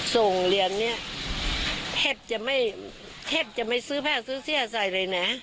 ส่งเรียนนี้เหภจะไม่ไม่ซื้อผ้าซื้อเสี้ยใส่เลยน่ะ